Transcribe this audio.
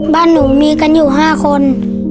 บ้านหนูมีกันอยู่๕คน